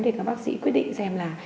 để các bác sĩ quyết định xem là